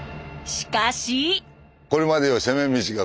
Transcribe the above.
しかし。